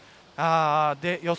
予想